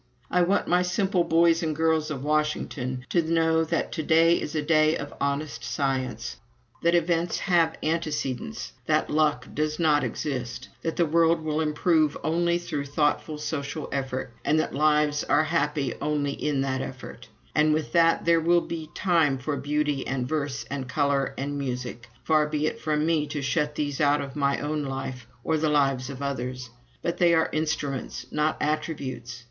I want my "simple boys and girls of Washington" to know that to day is a day of honest science; that events have antecedents; that "luck" does not exist; that the world will improve only through thoughtful social effort, and that lives are happy only in that effort. And with it all there will be time for beauty and verse and color and music far be it from me to shut these out of my own life or the lives of others. But they are instruments, not attributes.